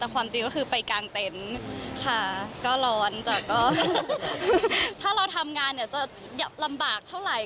แต่ความจริงก็คือไปกางเต็นต์ค่ะก็ร้อนแต่ก็ถ้าเราทำงานเนี่ยจะลำบากเท่าไหร่